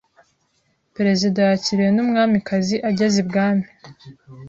Perezida yakiriwe n’umwamikazi ageze ibwami